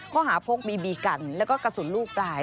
ข้อหาพกบีบีกันแล้วก็กระสุนลูกปลาย